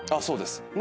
そうです。